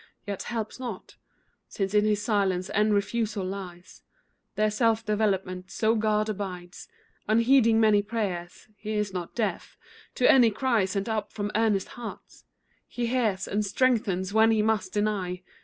yet helps not, Since in his silence and refusal lies Their self development, so God abides Unheeding many prayers. He is not deaf To any cry sent up from earnest hearts; He hears and strengthens when He must deny.